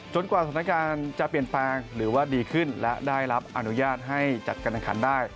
กว่าสถานการณ์จะเปลี่ยนแปลงหรือว่าดีขึ้นและได้รับอนุญาตให้จัดการแข่งขันได้